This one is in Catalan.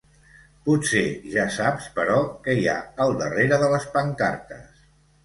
Potser ja saps, però, qui hi ha al darrere de les pancartes.